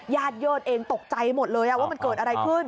ญาติเยิดเองตกใจหมดเลยว่ามันเกิดอะไรขึ้น